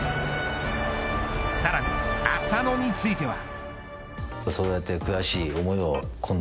さらに浅野については。